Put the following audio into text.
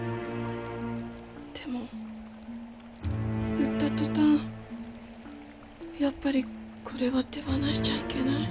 でも売った途端やっぱりこれは手放しちゃいけない。